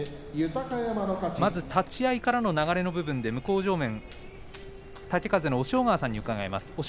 立ち合いからの流れの部分で向正面の豪風の押尾川親方に伺います。